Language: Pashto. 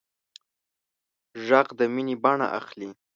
غږ د مینې بڼه اخلي